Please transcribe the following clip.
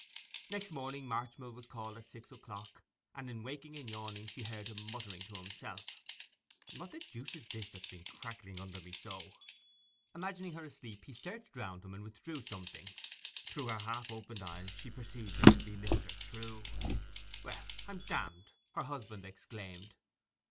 Next morning Marchmill was called at six o'clock; and in waking and yawning she heard him muttering to himself: 'What the deuce is this that's been crackling under me so?' Imagining her asleep he searched round him and withdrew something. Through her half opened eyes she perceived it to be Mr. Trewe. 'Well, I'm damned!' her husband exclaimed.